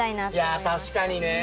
いや確かにね。